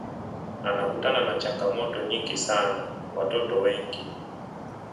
anakutana na changamoto nyingi sana watoto wengi